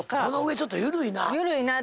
この上ちょっと緩いな。